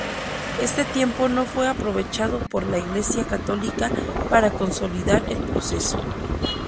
Este tiempo no fue aprovechado por la Iglesia católica para consolidar el proceso.